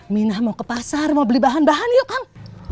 minah mau ke pasar mau beli bahan bahan yuk kang